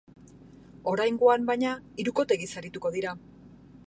Oraingoan, baina, hirukote gisa arituko dira.